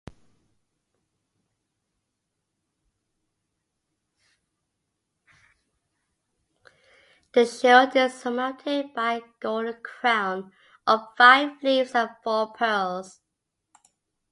The shield is surmounted by a golden crown of five leaves and four pearls.